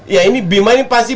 ya ini bima ini pasti